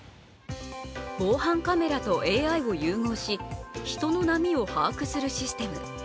防犯カメラとＡＩを融合し人の流れを把握するシステム。